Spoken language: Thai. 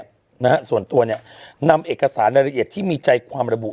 นะฮะส่วนตัวเนี่ยนำเอกสารรายละเอียดที่มีใจความระบุ